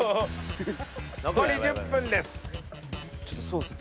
残り１０分です。